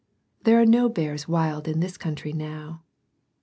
There are no bears wild in this country now.